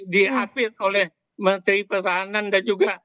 di hapis oleh menteri persahanan dan juga